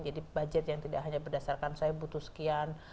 jadi budget yang tidak hanya berdasarkan saya butuh sekian